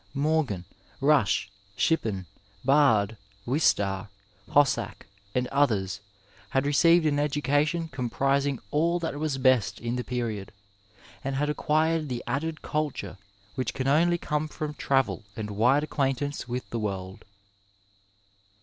Morgan, Rushy Shippen, Bard, Wistar, Hossack and others had received an education comprising aU that was best in the period, and had acquired the added culture which can only come from travel and wide acquaintance with the world.